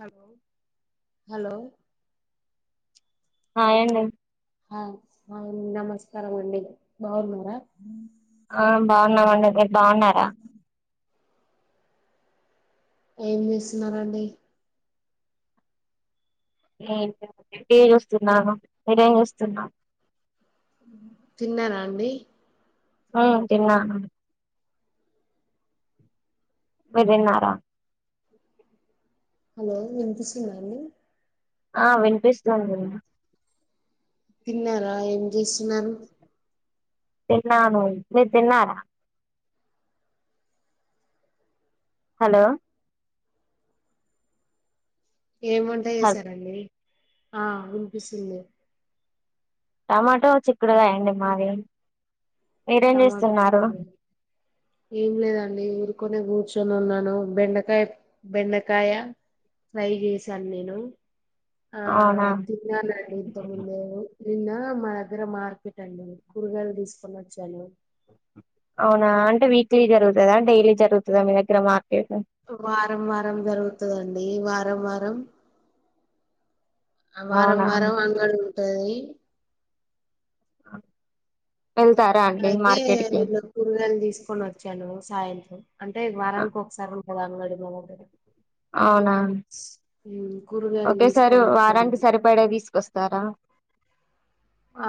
Hello hello హాయండి ఆ నమస్కారం అండే బాగున్నార ఆ బాగున్నామండి మీరు బాగున్నారా ఏం చేస్తున్నారండి ఏం లేదు టీ చూస్తున్నాను మీరేం చూస్తున్నా తిన్నారా అండి ఆ తిన్నా మీర్ దిన్నారా హలో వినియస్తుందా అండి ఆ వినిపిస్తాందండి తిన్నారా ఏం చేస్తున్నారు తిన్నాను మీరు తిన్నార హలో ఏం వంట హలో చేసారండి ఆ వినిపిస్తుంది టమాటో చిక్కుడుగాయండి మాది మీరేం టమాటో చేస్తున్నారు చిక్కుడుకాయ్ ఏం లేదండి ఊరుకొనే కూర్చు కూర్చొని ఉన్నాను బెండకాయ బెండకాయ ఫ్రై చేసాను నేను ఆ అవునా తిన్నానండి ఇంత ముందే నిన్న మా దగ్గర మార్కెట్ అండి కూరగాయలు తీసుకుని వచ్చాను అవునా అంటే వీక్లీ జరుగుతదా డైలీ జరుగుతదా మీ దగ్గర మా వారం వారం జరుగుతదండి వారం వారం వారం అవునా వారం వాంగల్ ఉంటది అ అయితే నేను కూరగాయలు తీసుకొని వచ్చాను సాయంత్రం అంటే వారానికి ఒకసారి అ అంగడి మగర అవునా కూరగాయలు ఒకేసారు తీసుకొని వచ్చాను వారానికి సరిపడే వి తీసుకొస్తారా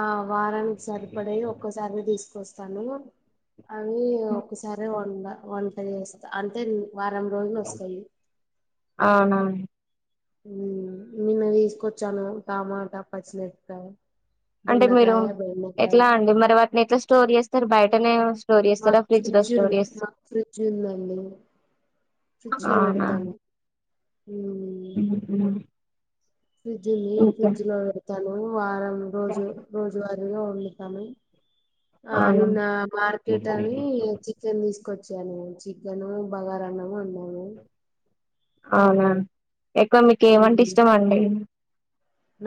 ఆ వారానికి సరిపడేయి ఒక్కోసారి తీసుకొస్ స్తాను అవి ఒకసారి వంట వంట చేస్తా అంటే వారం రోజులు వస్తాయి అవునా ఉ నిన్న తీసుకొచ్చాను టమాటా పచ్చిమిరక్కాయ్ అంటే మీరు ఎట్లా అండి మరి వాటిని ఎట్లా స్టోర్ చేస్తారు బయటనే స్టోర్ మ చేస్తారా ఫ్రిడ్జ్ లో ఫ్రిడ్జు స్టోర్ ఉ చేస్త మాక్ ఫ్రిడ్జ్ ఉందండి ఫ్రిడ్జ్ లో పెడతాను ఉమ్, ఉహు ఫ్రిడ్జ్ ఉంది ఫ్రిడ్జ్ లో పెడతాను వారం రోజు రోజువారీగా వండుతాను ఆ అవునా నిన్న మార్కెట్ అని చికెన్ ఇష్ట తీసుకొచ్చాను చికెన్ బాగారా అన్నం వొండను అవునా ఎక్కువ మీకు ఏమంటే ఉమ్, ఇష్టమ అండి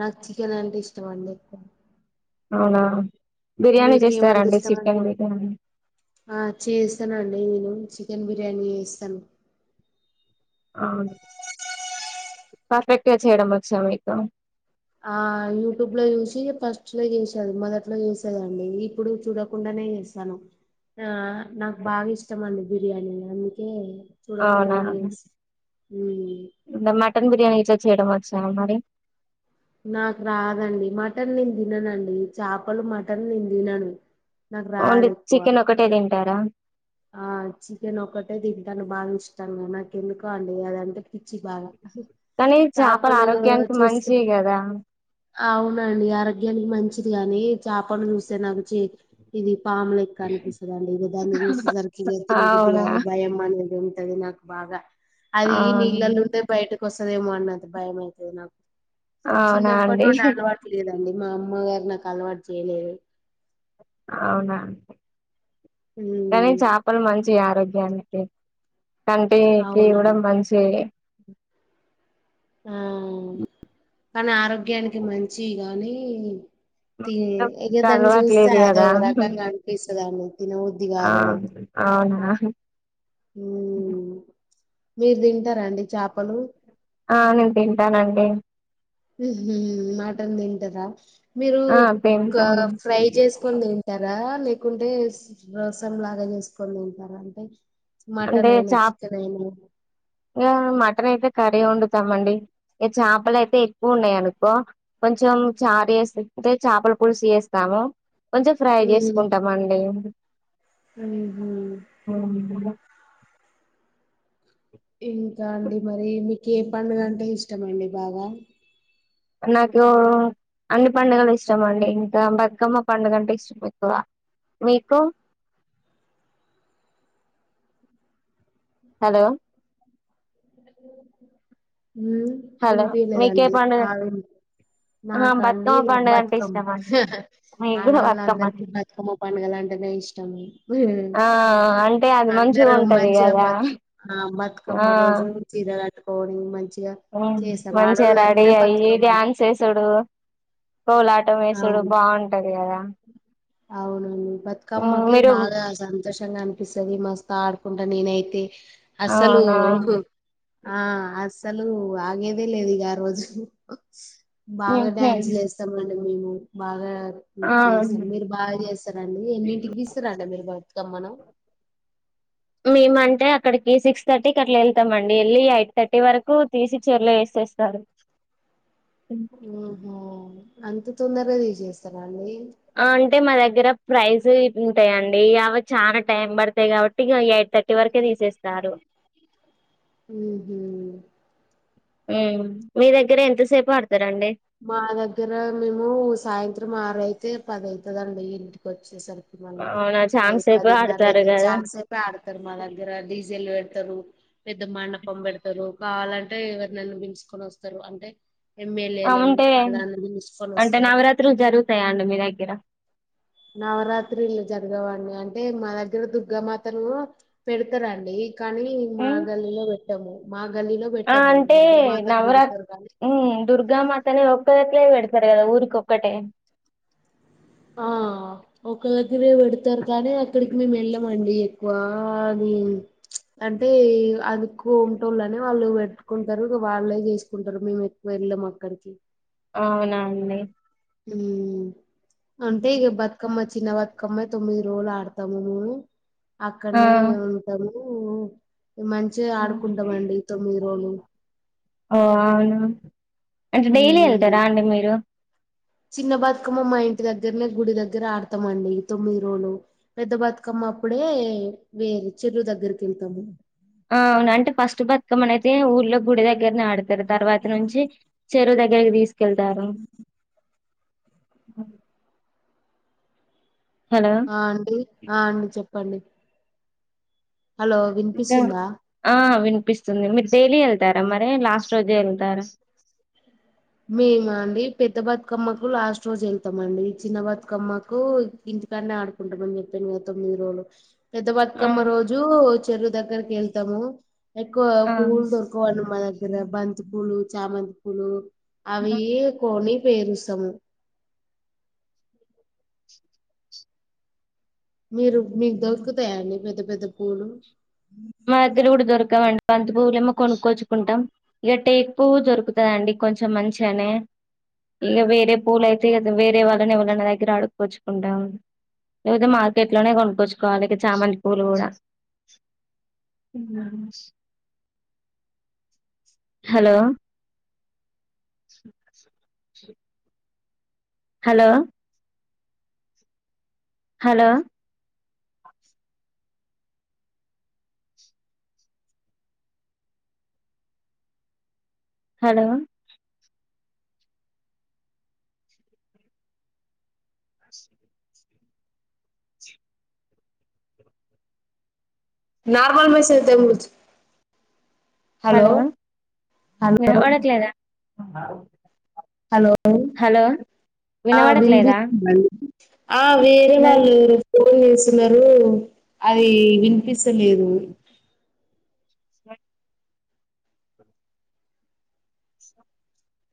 నాకు చికెన్ అంటే ఇష్టం అండి అవునా బిర్యానీ మీకేమంటే చేస్తారండి ఇష్టం అండి చికెన్ బిర్యానీ ఆ చేస్తానండి నేను చి చికెన్ బిర్యానీ వేస్తాను అవును పర్ఫెక్ట్గా చేయడం వచ్చా మీకు ఆ యూట్యూబ్ లో చూసి ఫస్ట్ క్షలో చేసాను మొదట్లో చేసేనండి ఇప్పుడు చూడకుండానే చేస్తాను ఆ నాకు బాగా ఇష్టం అండి బిర్యానీ అందుకే అవునా చూడకుండానే చేస్తా మ్మ్ మటన్ బిర్యానీ అయితే చేయడం వచ్చా మరి నాకు రాదండి మటన్ నేను తిననుండి చేపలు మటన్ నేను తినను నాకు రాదు ఓన్లీ ఎక్కువ చికెన్ ఒకటే తింటారా ఆ చికెన్ ఒకటే తింటాను బాగా ఇష్టంగా నాకు ఎందుకో అండి అదంటే పిచి బాగా కానీ చేపలు ఆరోగ్యానికి చూస్తే మంచివి కదా అవునండి ఆరోగ్యానికి మంచి కానీ చపను చూస్తే నాకు ఇది పాము లేక్క అనిపిస్తుందిండి ఇ దాండన్ని చూస్తే సరికి ఎత్తిన బుద్ధది అవునా కాదు భయం అనేది ఉంటది నాకు బాగా అది అవును నీళ్ళలు ఉంటే బయటకు వస్తదేమో అన్నతా భయం అయితది నాకు అవునా చిన్నప్పటి అండి నుండి అలవాటు లేదండి మా అమ్మ గారు నాకు అలవాటు చేయలేదు అవునా కానీ ఉమ్ చేపలు మంచివి ఆరోగ్యం ఆరోగ్యానికి కంటికి కూడా అవునండి మంచిది ఆ కానీ ఆరోగ్యానికి మంచి కానీ తి ఇక దాన్ని చూస్తే అలవాట్లేదు కదా అదోరకంగా అనిపిస్తదండి తినబుద్ధి ఆ కాదు అవునా ఉమ్ మీరు తింటారా అండి చేపలు ఆ నేను తింటానండి మటన్ తింటారా మీరు ఆ తింటాను ఫ్రై చేసుకొని తింటార రా లేకుంటే స్ [unintelligible] లాగా చేసుకొని తింటారా అంటే మటన్ అయినా చికెన్ అయినా ఇంకా మటన్ అయితే కర్రీ వండుతామండి ఇక చేపలు అయితే ఎక్కువ ఉన్నాయి అనుకో కొంచెం చారు వేస్తే తీపితే చేపల పులుసు వేస్తాము కొంచెం ఫ్రై చేసుకుంటామండి ఉమ్మ్ హ్మ్. ఇంకా అండి మరి మీకు ఏ పండుగ అంటే ఇష్టం అండి బాగా నాకు అన్ని పండుగలు ఇష్టమండి ఇంకా బతుకమ్మ పండుగ అంటే ఇష్టం ఎక్కువ మీకు అ హలో మ్మ్ హలో మీకే వినిపయలేదండి పండుగ ఆ వి ఆ నాక అండి బతుకమ్మ నాకు పండుగ అంటే బతుకమ్మ ఇష్టం అండి మీకు కూడా ఆడవాళ్ల బతుకమ్మనే అందరికి బతుకమ్మ పండగలు అంటే అంటనే ఇష్టం ఆ అంటే అది మంచిగా అందరం ఉంటది మంచిగా కదా బతుక ఆ ఆ బతుకమ్మ రోజు చీర కట్టుకోవడం మంచి మ్మ్ మంచిగా రెడీ అయి బతుకమ్మ ధ్యాన్స్ చేేసుడు కోలాటం వేసుడు అవును బాగుంటది కదా అవునండి ఉమ్ బతుకమ్మకి మీరు బాగా సంతోషంగా అనిపిస్తది మస్తు ఆడ కుడా నేనైతే అసలు అవునా ఆ అస్ అసలు ఆగేదే లేదు ఇగ ఆరోజు బాగా ఉహు. డ్యాన్సులు ఏస్తామండి మేము బాగా ఆ చేస్తాం మీరు బాగా చేస్తారండి ఎన్నింటికి ఇస్తారండి మీరు బా కమ్మను మేము అంటే అక్కడికి సిక్స్ థర్టీకి అట్లా వెళ్తాంమండి వెళ్ళి ఎయిట్ థర్టీ వరకు తీసి చెర్లో వేస్ స్తారు ఓహో అంత తొందర తీసెస్ ఆ అంటే మా దగ్గర ప్రైజ ఇ ఉంటాయిండి అవి చానా టైం పడతాయి కాబట్టి ఇగ ఎయిట్ థర్టీ వరకే తీసేస్తారు ఉహు ఉ మీ దగ్గర ఎంతసేపు ఆడ్ మా దగ్గర మేము సాయంత్రం ఆరు అయితే పద అయితదండి ఇంటికి వచ్చేసరికి మళ్ అవునా చానా పది సేపు పదిన్నర ఆడతారు అయితే కదా చాల సేపు ఆడతారు మా దగ్గర డీజెల్ తారు పెద్ద మాండపం పెడతారు కావాలంటే ఎవరి నన్ను వించుకొని వస్తారు అంటే ఎమ్మెల ఆ, ఎల అంటే అంటే నవరాత్రులు జరుగుతాయా అండి మీ దగ్గర నవరాత్రిలు జరగవండి అం అంటే మా దగ్గర దుర్గామాతను పెడతరండి కానీ మా ఉమ్. గల్లిలో టము మా గల్లీలో ఆ పెట్టము అంటే దుర్గామాతను నవరా పెడతారు కానీ దుర్గామాతనే ఒక్కద పెడుత సారు కదా ఊరికి ఒక్కటే ఆ ఒక దగ్గరే పెడతారు కానీ అక్కడికి మేము వెళ్ళమండి ఎక్కువ ఆది అంటే అదికోంటళ్ళన వాళ్ళు పెట్టుకుంటరు ఇక వాళ్ళే చేసుకుంటారు మేము ఎక్కువ వెళ్ళము అక్కడికి అవునా అండి ఉ అంటేగ బతుకమ్మ చిన్న బ కమ్మే తొమ్మిది రోజులు ఆడతాము ఆ అక్కడనే ఉంటాము మంచిగ ఆడుకుంటామండి తొమ్మిది రోజులు ఓ అవున అంటే డైలీ ఉమ్. వెళ్తారా అండి మీరు చిన్న బతుకమ్మ మా ఇంటి దగ్గరనే గుడి దగ్గర ఆడతాంమండి తొమ్మిది రోజులు పెద్ద బతుకమ్మ అప్పుడే వేరే చెరు దగ్గరికి వెళ్తాము ఆ అవును అంటే ఫస్ట్ బతుకమ్మని అయితే ఊళ్ళో గుడి దగ్గరనే ఆడతారు తర్వాత నుంచి చెరువు దగ్గరి తీసుకెళ్తారు హలో! ఆ అండి ఆ అండి చెప్పండి హలో ఇ వినిపిస్తుందా ఆ విను కనిపిస్తుంది మీరు డైలీ వెళ్తారా మరి లాస్ట్ రోజే వెళ్తారా మేమా అండి పెద్ద బతుకమ్మకు లాస్ట్ రోజు వెళ్తామ అండి చిన్న బతుకమ్మకు ఇంటనే ఆడుకుంటామని చెప్పాను తొమ్మిది రోజులు పెద్ద ఆ! బతుకమ్మ రోజు చెరువు దగ్గరకి వెళ్తాము ఎక్కువ ఆ! పూవులు దొరకవండి మా దగ్గర బంతి పూలు చామంతి పూలు అవి కొని పేరుసాము మీరు మీకు దొరుకుతాయ అండి పెద్ద పెద్ద పూలు మా దగ్గర కూడా దొరకవండి పంత పువ్వులుమో కొనుక్కోచుకుంటాం ఇక టేక్ పువ్వు దొరుకుతదండి. కొంచెం మంచిగానే ఇక వేరే పూలయితే కదా వేరే వాళ్ళని వాళ్ళని దగ్గర ఆడుగుచ్చుకుంటాం లేకపోతే మార్కెట్ లోనే కొనుక్కొచ్చుకోవాలి ఇక చామంతి పూలు కూడా ఉ ఆస్ హలో స్నను సు శ్రు హలో హలో హలో నార్మల్ మెసె తెమచ్ హలో వినపడట్లేదా? హలో హలో ఆ వినవడట్లేదా? వినిపిస్తుందండి ఆ వేరే వాళ్ళరు ఫోన్ చేస్తున్నారు అది వినిపిస్తలేదు.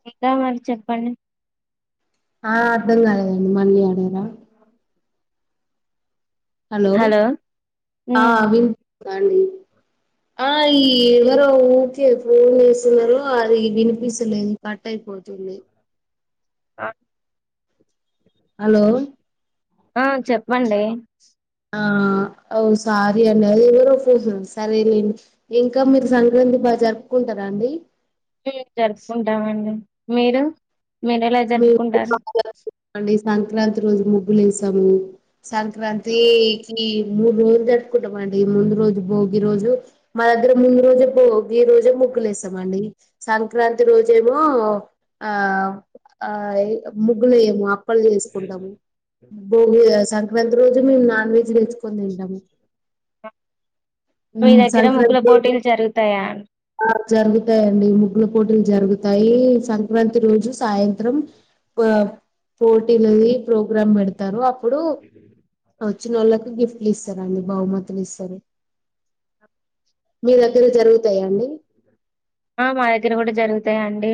ఇంకా మరి చెప్పండి ఆ అర్ధం కాలెదండి మళ్ళి అడగరా ఉ హలో అ ఉమ్, విన్ దండి ఆ ఈ ఎవరో ఓకే ఫోన్ చేస్తున్నారు అది వినిపిస్తలేదు కట్టయిపోతుంది. ఆ హలో ఆ చెప్పండి ఆ ఓ సారీ అండి అది ఎవరో పోసం సరేలేండి. ఇంకా మీరు సంక్రాంతి బా జరుపుకుంటార దాండి అంటే జరుపుకుంటామండి మీరు మీరు ఎలా మేము జరుపుకుంటారు? అండి సంక్రాంతి రోజు ముగ్గులు వేసాము సంక్రాంతికి మూడు రోజులు జరుపుకుంటమండి. ఈ ముందు రోజు భోగి రోజు మా దగ్గర ముందు రోజే భోగి ఈ రోజే ముగ్గులేస్తామండి సంక్రాంతి రోజేమో ఆ ఆయ్ ముగ్గులు ఎయమా క్కలు చేసుకుంటాము భోగి సంక్రాంతి రోజు మేము నాన్ వెజ్ తెచ్చుకొని తింటాము. మీ దగ్గర ముగ్గుల సంక్రాంతి రోజు పోటీలు జరుగుతాయా? ఆ జరుగుతాయండి. ముగ్ల పోటీలు జరుగుతాయి సంక్రాంతి రోజు సాయంత్రం బా పోటీలది ప్రోగ్రామ్ పెడతారు అప్పుడు వచ్చిన వాళ్ళకి గిఫ్ట్లు ఇస్తారండి బహుమతులు ఇస్తారు. మీ దగ్గర జరుగుతాయండి? ఆ మా దగ్గర కూడా జరుగుతాయండి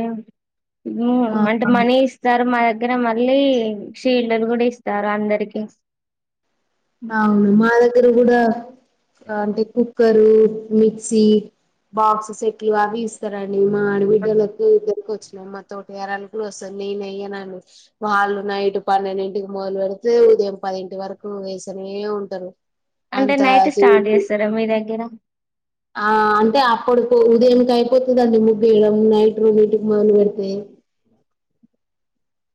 ఆ మూన్ అంటే మనీ ఇస్తారు మా ద గ్గర మళ్ళీ షీల్డ్లు కూడా ఇస్తారు అందరికి అవును మా దగ్గర కూడా అంటే కుక్కరు, మిక్సీ బాక్సస్ సెట్లు అవి ఇస్తారండి. మా ఆడబిడ్డల ఇద్దరికి వచ్చినము మా తోట ఎర గ్లో వ నేనెయ్యనన్ వాళ్ళు నైట్ పన్నెండింటికి మొదలు పెడితే ఉదయం పదింటి వరకు వేస్ సన్నెయ ఉంటారు అంటే నైట్ స్టార్ట్ చేసి చేస్తారా మీ దగ్గర? ఆ అంటే అప్పడుకి ఉదయంకి అయిపోతుందిండి ముగ్గేయడం నైట్ రెండింటికి మొదలుపెడితే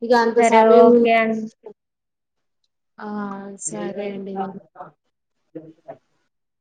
ఇంక అంత సరే సమయము ఓకే అండి మరి ఏ